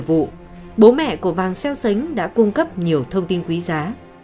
vụ bố mẹ của vàng xeo xánh đã cung cấp nhiều thông tin quý giá